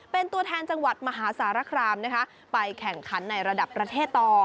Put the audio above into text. เป็นตัวแทนจังหวัดมหาสารคามนะคะไปแข่งขันในระดับประเทศต่อ